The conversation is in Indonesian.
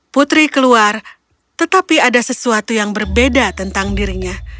putri keluar tetapi ada sesuatu yang berbeda tentang dirinya